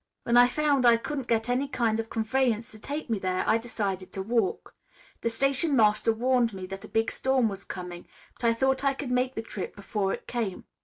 When I found I couldn't get any kind of conveyance to take me there, I decided to walk. The station master warned me that a big storm was coming, but I thought I could make the trip before it came.